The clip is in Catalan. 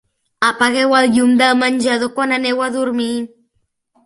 Apagueu el llum del menjador quan aneu a dormir.